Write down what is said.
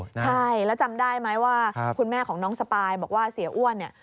ใช่แล้วจำได้ไหมว่าคุณแม่ของน้องสปายบอกว่าเสียอ้วนเนี่ย